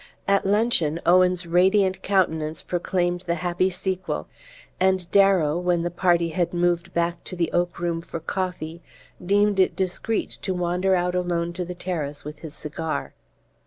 At luncheon, Owen's radiant countenance proclaimed the happy sequel, and Darrow, when the party had moved back to the oak room for coffee, deemed it discreet to wander out alone to the terrace with his cigar.